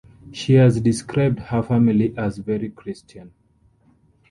She has described her family as "very Christian".